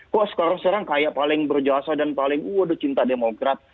kok sekarang sekarang kayak paling berjasa dan paling waduh cinta demokrat